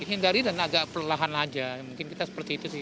hindari dan agak pelelahan aja mungkin kita seperti itu sih